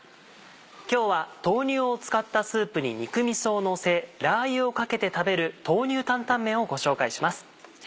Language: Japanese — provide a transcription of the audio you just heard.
今日は豆乳を使ったスープに肉みそをのせラー油をかけて食べる「豆乳担々麺」をご紹介します。